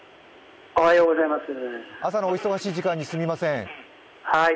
朝のお忙しい時間にすみません。